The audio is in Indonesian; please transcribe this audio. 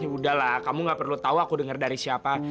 ya udahlah kamu gak perlu tau aku denger dari siapa